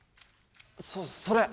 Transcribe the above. そうそれ！